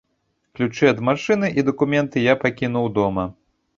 Ключы ад машыны і дакументы я пакінуў дома.